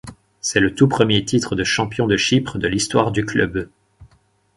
C'est le tout premier titre de champion de Chypre de l'histoire du club.